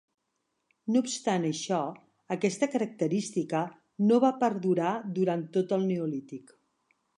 No obstant això, aquesta característica no va perdurar durant tot el neolític.